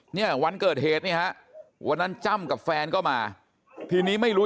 เนี่ยวันเกิดเหตุนี่ฮะวันนั้นจ้ำกับแฟนก็มาทีนี้ไม่รู้